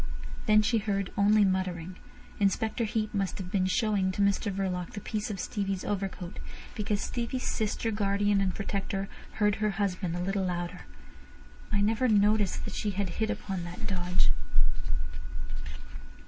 Then she heard only muttering. Inspector Heat must have been showing to Mr Verloc the piece of Stevie's overcoat, because Stevie's sister, guardian, and protector heard her husband a little louder. "I never noticed that she had hit upon that dodge."